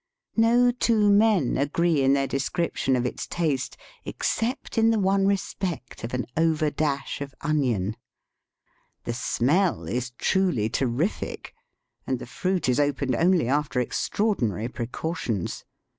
No two men agree in their description of its taste, except in the one respect of an over dash of onion. The Digitized by VjOOQIC 138 EAST BY WESt, smell is truly terrific, and the fruit is opened only after extraordinary precautions.